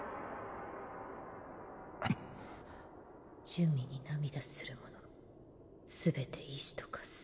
「珠魅に涙する者全て石と化す」。